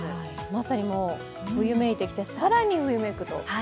まさに冬めいてきて更に冬めくと。